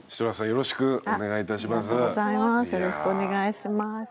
よろしくお願いします。